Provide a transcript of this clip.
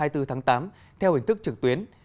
hai mươi bốn tháng tám theo hình thức trực tuyến